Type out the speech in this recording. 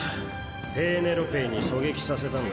ペーネロペーに狙撃させたんだ。